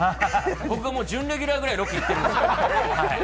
僕が準レギュラーぐらいロケ行ってるんです。